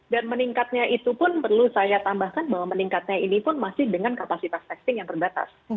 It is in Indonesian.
dan meningkatnya itu pun perlu saya tambahkan bahwa meningkatnya ini pun masih dengan kapasitas testing yang terbatas